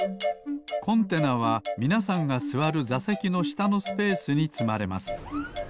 コンテナはみなさんがすわるざせきのしたのスペースにつまれます。